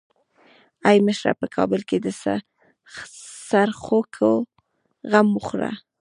ای مشره په کابل کې د څرخکو غم وخوره.